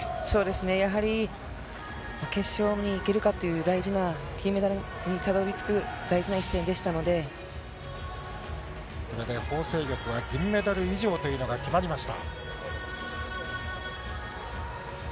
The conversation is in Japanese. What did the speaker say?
やはり決勝にいけるかという大事な、金メダルにたどりつく大事なこれでホウ倩玉は銀メダル以上というのが決まりました。